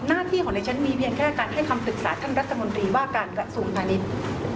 หน้าที่ของดิฉันมีเพียงแค่การให้คำปรึกษาท่านรัฐมนตรีว่าการกระทรวงพาณิชย์